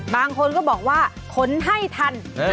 บางคนก็บอกว่าขนให้ทัน